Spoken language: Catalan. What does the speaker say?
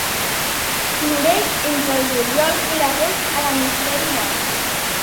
Floreix entre el juliol i l'agost a l'hemisferi nord.